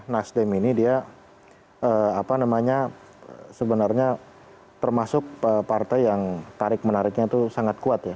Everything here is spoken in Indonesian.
nasdem ini dia apa namanya sebenarnya termasuk partai yang tarik menariknya itu sangat kuat ya